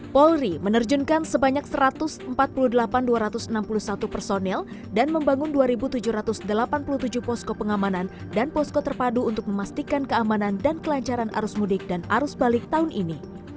polri menerjunkan sebanyak satu ratus empat puluh delapan dua ratus enam puluh satu personel dan membangun dua tujuh ratus delapan puluh tujuh posko pengamanan dan posko terpadu untuk memastikan keamanan dan kelancaran arus mudik dan arus balik tahun ini